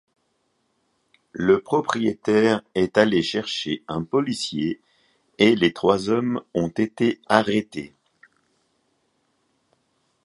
Le propriétaire est allé chercher un policier et les trois hommes ont été arrêtés.